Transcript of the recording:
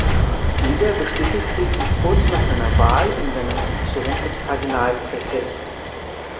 Dieser bestätigte ihn kurz nach seiner Wahl in seiner Funktion als Kardinalpräfekt.